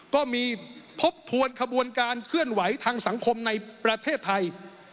ก็มีทบทวนขบวนการเคลื่อนไหวทางสังคมในประเทศไทย